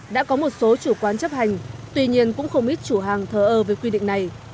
đã có một số chủ quán chấp hành tuy nhiên cũng không ít chủ hàng thờ ơ với quy định này